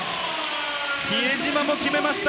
比江島も決めました！